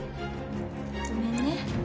ごめんね。